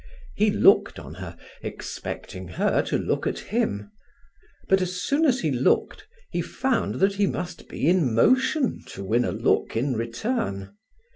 He looked on her, expecting her to look at him. But as soon as he looked he found that he must be in motion to win a look in return.